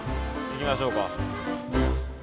行きましょうか。